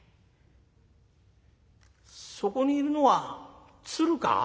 そこにいるのは鶴か？